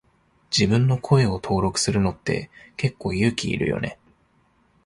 自分の声を登録するのって結構勇気いるよね。